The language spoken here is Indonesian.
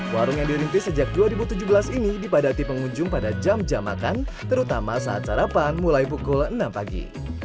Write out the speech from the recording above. warung yang dirintis sejak dua ribu tujuh belas ini dipadati pengunjung pada jam jam makan terutama saat sarapan mulai pukul enam pagi